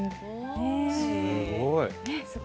すごい。